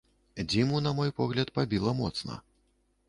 Дзіму, на мой погляд, пабіла моцна.